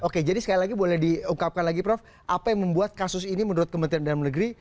oke jadi sekali lagi boleh diungkapkan lagi prof apa yang membuat kasus ini menurut kementerian dalam negeri